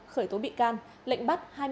khởi tố bị can lệnh bắt hai mươi hai